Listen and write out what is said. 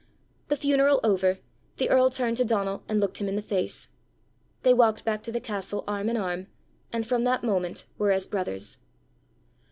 The funeral over, the earl turned to Donal and looked him in the face: they walked back to the castle arm in arm, and from that moment were as brothers.